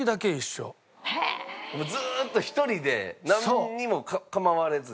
ずーっと１人でなんにも構われずに？